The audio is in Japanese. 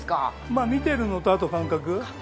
まあ見てるのとあと感覚。